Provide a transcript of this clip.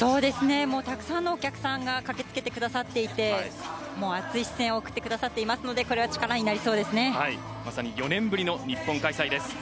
たくさんのお客さんが駆けつけてくださっていて熱い視線を送ってくださっていますのでまさに４年ぶりの日本開催です。